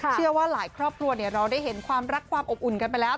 เชื่อว่าหลายครอบครัวเราได้เห็นความรักความอบอุ่นกันไปแล้ว